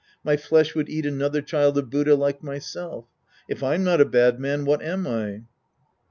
My flesh would eat another child of Buddha like myself If I'm not a bad man, what am. I